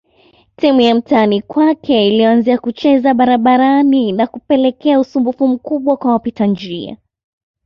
Timu ya mtaani kwake iliyoanzia kucheza barabarani na kupelekea usumbufu mkubwa kwa wapita njia